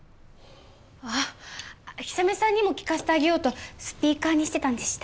あっ氷雨さんにも聞かせてあげようとスピーカーにしてたんでした。